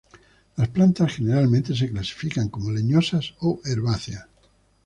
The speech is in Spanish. Las plantas generalmente se clasifican como leñosas o herbáceas.